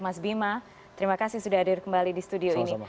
mas bima terima kasih sudah hadir kembali di studio ini